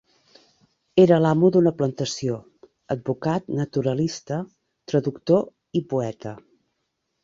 Era l'amo d'una plantació, advocat, naturalista, traductor i poeta.